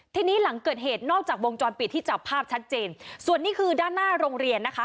ทีนี้หลังเกิดเหตุนอกจากวงจรปิดที่จับภาพชัดเจนส่วนนี้คือด้านหน้าโรงเรียนนะคะ